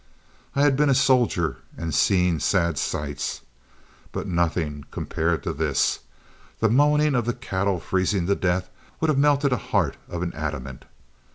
I had been a soldier and seen sad sights, but nothing to compare to this; the moaning of the cattle freezing to death would have melted a heart of adamant.